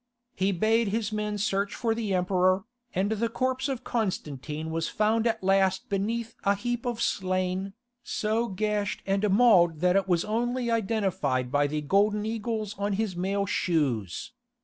He bade his men search for the Emperor, and the corpse of Constantine was found at last beneath a heap of slain, so gashed and mauled that it was only identified by the golden eagles on his mail shoes.